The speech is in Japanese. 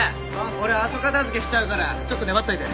俺後片付けしちゃうからちょっと粘っといて。